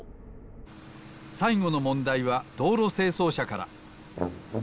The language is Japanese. さいごのもんだいはどうろせいそうしゃから。